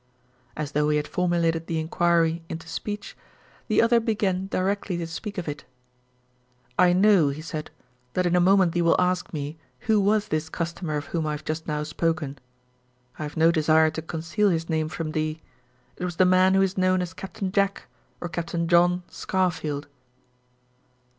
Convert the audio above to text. As though he had formulated the inquiry into speech the other began directly to speak of it. "I know," he said, "that in a moment thee will ask me who was this customer of whom I have just now spoken. I have no desire to conceal his name from thee. It was the man who is known as Captain Jack or Captain John Scarfield."